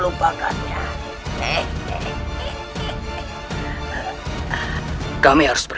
dan ini adalah kebenaranmu